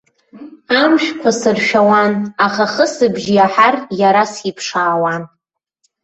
Амшәқәа сыршәауан, аха ахысыбжь иаҳар иара сиԥшаауан.